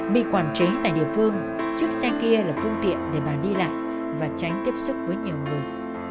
bị quản chế tại địa phương chiếc xe kia là phương tiện để bà đi lại và tránh tiếp xúc với nhiều người